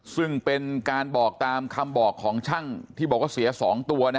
ซึ่งเป็นการบอกตามคำบอกของช่างที่บอกว่าเสีย๒ตัว